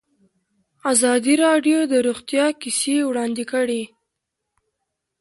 ازادي راډیو د روغتیا کیسې وړاندې کړي.